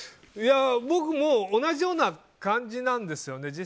僕も同じような感じなんですよね。